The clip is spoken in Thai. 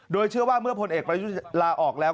โดยเชื่อว่าเมื่อพลเอกประยุทธ์ลาออกแล้ว